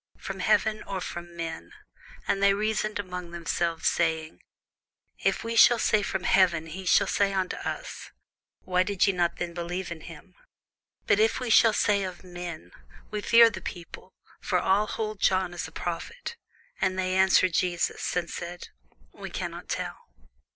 from heaven, or of men? And they reasoned with themselves, saying, If we shall say, From heaven; he will say unto us, Why did ye not then believe him? But if we shall say, Of men; we fear the people; for all hold John as a prophet. And they answered Jesus, and said, We cannot tell.